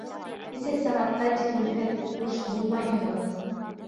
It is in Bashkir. Нисә сәғәткә тиклем һеҙ буш булмайһығыҙ?